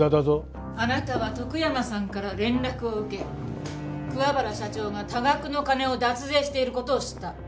あなたは徳山さんから連絡を受け桑原社長が多額の金を脱税している事を知った。